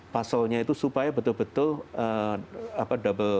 pusselnya itu supaya betul betul double